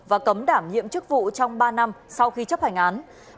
và cấm đảm nhiệm chức vụ trong ba năm sau khi chấp hành án